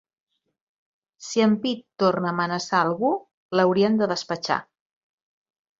Si en Pete torna a amenaçar algú, l'haurien de despatxar.